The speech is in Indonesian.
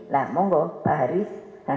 nah monggo pak haris